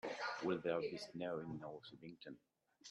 Will there be snow in North Abington